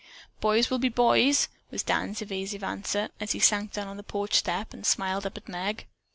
"Boys will be boys," was Dan's evasive answer as he sank down on the porch step and smiled up at Meg.